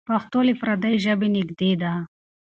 پښتو له پردۍ ژبې نږدې ده.